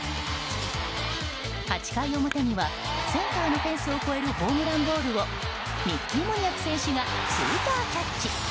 ８回表にはセンターのフェンスを越えるホームランボールをミッキー・モニアク選手がスーパーキャッチ！